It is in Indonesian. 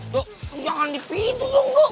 dok lo jangan di pintu dong